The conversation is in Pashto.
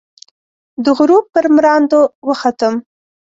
د غروب پر مراندو، وختم